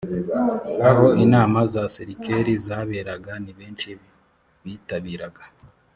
aho inama za serikeri zaberaga ni benshi bitabiraga